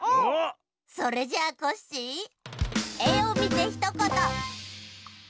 それじゃあコッシーえをみてひとこと！